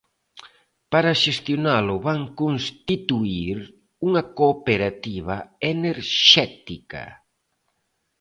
Para xestionalo van constituír unha cooperativa enerxética.